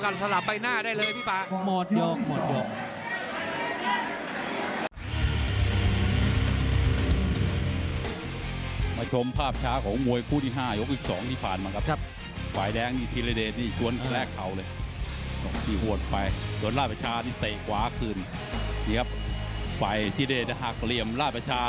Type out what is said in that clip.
เน้นมัดอย่างเดียวล้างตัวกันสลับไปหน้าได้เลยพี่ป่า